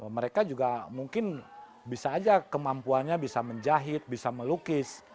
mereka juga mungkin bisa aja kemampuannya bisa menjahit bisa melukis